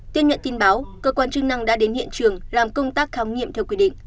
tiếp nhận tin báo cơ quan chức năng đã đến hiện trường làm công tác khám nghiệm theo quy định